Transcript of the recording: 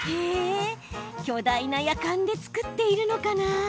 へえ、巨大なやかんで作っているのかな？